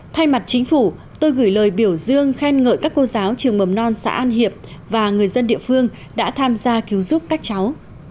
thay mặt chính phủ tôi gửi lời biểu dương khen ngợi các cô giáo trường mầm non xã an hiệp và người dân địa phương đã tham gia cứu giúp các cháu